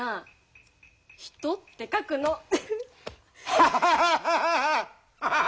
ハハハハハハハッ！